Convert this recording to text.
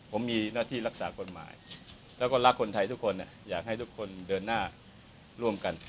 ผมมีหน้าที่รักษากฎหมายแล้วก็รักคนไทยทุกคนอยากให้ทุกคนเดินหน้าร่วมกัน